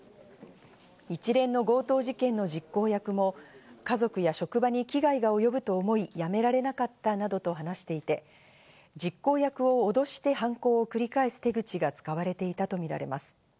一連の強盗事件の実行役も家族や職場に危害が及ぶと思ってやめられなかったなどと話していて、実行役を脅して犯行を繰り返す手口が使われていたとみられます。